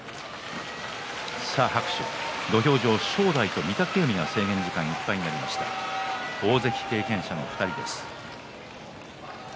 土俵上、正代と御嶽海が制限時間いっぱい大関経験者の２人です。